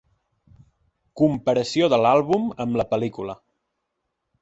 Comparació de l'àlbum amb la pel·lícula.